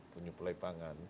punya pelai pangan